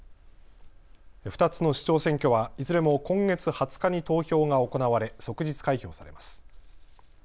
２つの市長選挙はいずれも今月２０日に投票が行われ即日開票されます。